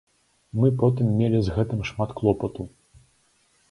Мы потым мелі з гэтым шмат клопату.